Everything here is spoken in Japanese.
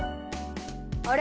あれ？